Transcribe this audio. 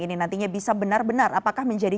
ini nantinya bisa benar benar apakah menjadi